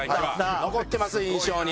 残ってます印象に。